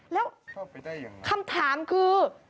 แล้วคำถามคือ